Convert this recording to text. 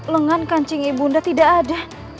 lengan kancing ibu ren tidak ada